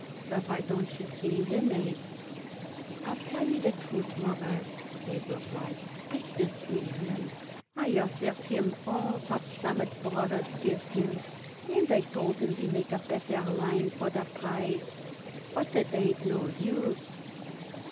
"Well, why don't you see him, Abe?" "I'll tell you the truth, Mawruss," Abe replied. "I did see him. I offered him all what Sammet Brothers gives him, and I told him we make a better line for the price, but it ain't no use.